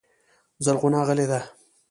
زرغونه غلې ده .